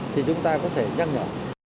thì chúng ta có thể nhắc nhở